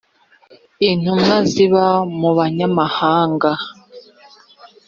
intumwa ziba mu banyamahanga.